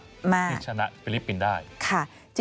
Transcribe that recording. ที่ชนะฟิลิปปินส์ได้ค่ะ